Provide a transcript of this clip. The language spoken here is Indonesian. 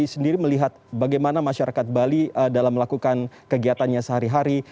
sendiri melihat bagaimana masyarakat bali dalam melakukan kegiatannya sehari hari